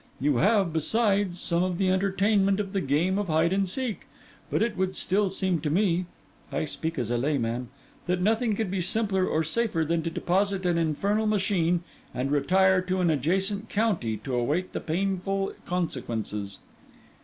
You have, besides, some of the entertainment of the game of hide and seek. But it would still seem to me—I speak as a layman—that nothing could be simpler or safer than to deposit an infernal machine and retire to an adjacent county to await the painful consequences.